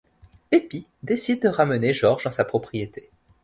Peppy décide de ramener George dans sa propriété.